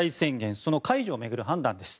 その解除を巡る判断です。